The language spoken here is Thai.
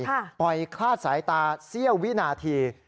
ปล่อยคลาดสายตาเสี้ยววินาที